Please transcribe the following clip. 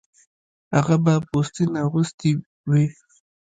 هغه به پوستین اغوستې وې